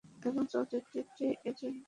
এবং চলচ্চিত্রটি এর জন্য ভোগে।